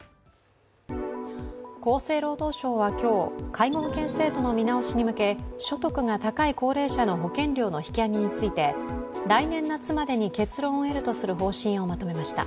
厚生労働省は今日、介護保険制度の見直しに向け所得が高い高齢者の保険料の引き上げについて来年夏までに結論を得るとする方針をまとめました。